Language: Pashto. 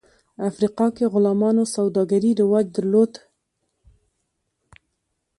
افریقا کې غلامانو سوداګري رواج درلود.